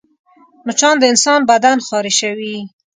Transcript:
مچان د انسان بدن خارشوي